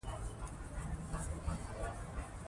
مور د کور د کثافاتو سم مدیریت کوي.